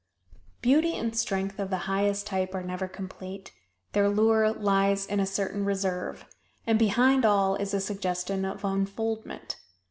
Beauty and strength of the highest type are never complete their lure lies in a certain reserve, and behind all is a suggestion of unfoldment.